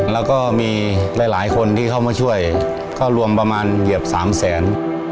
แล้วก็มีหลายคนที่เข้ามาช่วยก็รวมประมาณเหยียบ๓แสน